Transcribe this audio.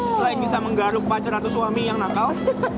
selain bisa menggaruk pacar atau suami yang nakal